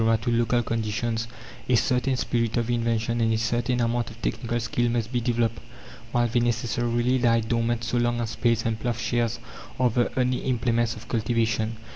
to local conditions, a certain spirit of invention, and a certain amount of technical skill must be developed, while they necessarily lie dormant so long as spades and ploughshares are the only implements of cultivation.